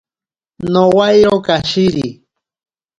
Nowairo kashiri.